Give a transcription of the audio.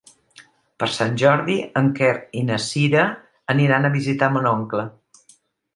Per Sant Jordi en Quer i na Cira aniran a visitar mon oncle.